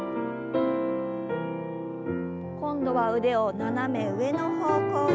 今度は腕を斜め上の方向に。